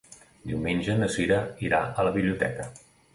Diumenge na Sira irà a la biblioteca.